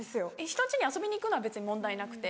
人ん家に遊びに行くのは別に問題なくて。